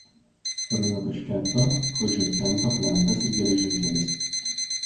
Praeina Taškento–Chodžimkento plentas ir geležinkelis.